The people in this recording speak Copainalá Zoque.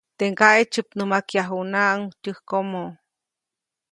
Teʼ ŋgaʼe tsyäpnämakyajunaʼuŋ tyäjkomo.